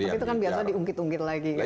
tapi itu kan biasa diungkit ungkit lagi